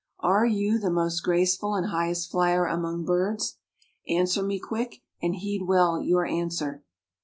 "Are you the most graceful and highest flyer among birds? Answer me quick and heed well your answer."